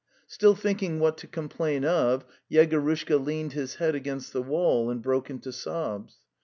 Still thinking what to complain of, Yegorushka leaned his head against the wall and broke into sobs.